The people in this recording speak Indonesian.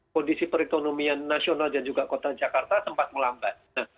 kondisi perekonomian nasional dan juga kota jakarta sempat melambat